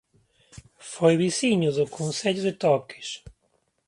Foi veciño do Concello de Toques